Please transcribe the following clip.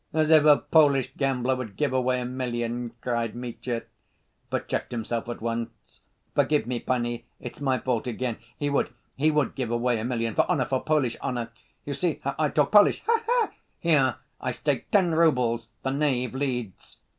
"As if a Polish gambler would give away a million!" cried Mitya, but checked himself at once. "Forgive me, panie, it's my fault again, he would, he would give away a million, for honor, for Polish honor. You see how I talk Polish, ha ha! Here, I stake ten roubles, the knave leads."